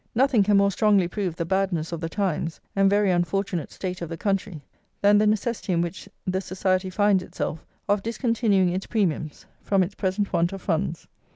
Nothing can more strongly prove the BADNESS OF THE TIMES, and very unfortunate state of the country, than the necessity in which the Society finds itself of discontinuing its premiums, from its present want of funds.